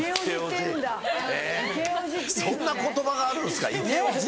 そんな言葉があるんですか「イケオジ」。